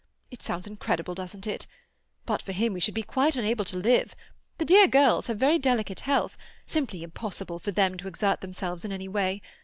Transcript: It sounds incredible, doesn't it? But for him we should be quite unable to live. The dear girls have very delicate health; simply impossible for them to exert themselves in any way.